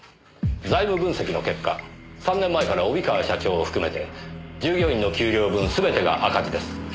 財務分析の結果３年前から帯川社長を含めて従業員の給料分すべてが赤字です。